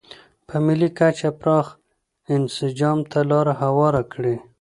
په ملي کچه پراخ انسجام ته لار هواره کړي.